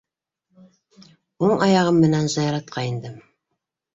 Уң аяғым менән зыяратҡа индем.